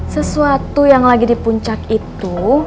sesuatu yang lagi di puncak itu